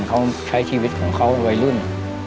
เขาใช้ชีวิตของเขาวัยรุ่น